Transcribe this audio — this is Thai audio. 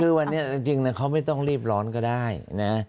คือวันนี้จริงเขาไม่ต้องรีบร้อนก็ได้นะ